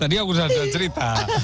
tadi aku sudah cerita